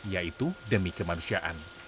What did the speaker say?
yaitu demi kemanusiaan